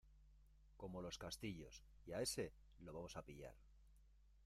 como los castillos. y a este lo vamos a pillar .